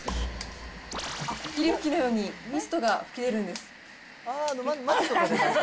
霧吹きのようにミストが出るんです。